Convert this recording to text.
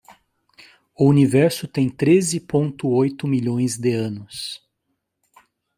O Universo tem treze ponto oito milhões de anos.